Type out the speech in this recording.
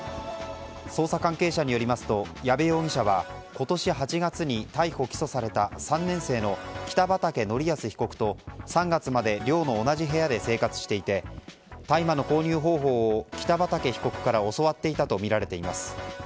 捜査関係者によりますと矢部容疑者は今年８月に逮捕・起訴された３年生の北畠成文被告と３月まで寮の同じ部屋で生活していて大麻の購入方法を北畠被告から教わっていたとみられています。